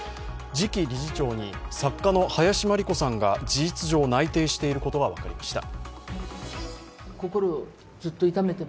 次期理事長に作家の林真理子さんが事実上内定していることが分かりました。